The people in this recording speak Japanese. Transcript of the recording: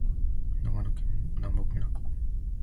長野県南牧村